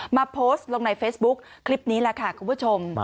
โพสต์ลงในเฟซบุ๊คคลิปนี้แหละค่ะคุณผู้ชม